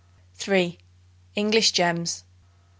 English Gems.